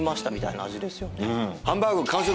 ハンバーグ完食！